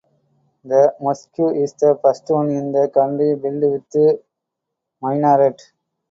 The mosque is the first one in the country built with minaret.